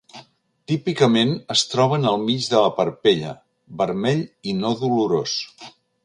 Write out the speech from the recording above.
Típicament es troben al mig de la parpella, vermell i no dolorós.